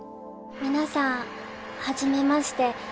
皆さんはじめまして。